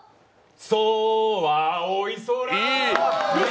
ソは青い空